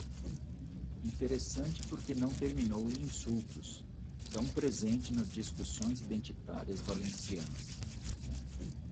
Interessante porque não terminou em insultos, tão presente nas discussões identitárias valencianas.